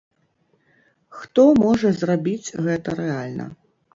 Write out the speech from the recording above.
Хто можа зрабіць гэта рэальна?